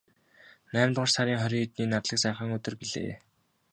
Наймдугаар сарын хорин хэдний нарлаг сайхан өдөр билээ.